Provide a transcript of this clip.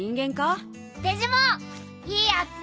いいやつ！